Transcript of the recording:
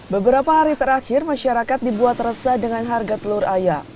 beberapa hari terakhir masyarakat dibuat resah dengan harga telur ayam